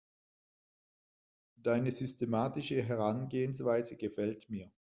Deine systematische Herangehensweise gefällt mir.